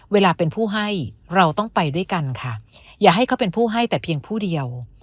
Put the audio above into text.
เวลาเป็นผู้ให้เราต้องไปด้วยกันค่ะอย่าให้เขาเป็นผู้ให้แต่เพียงผู้เดียว